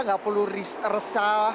tidak perlu resah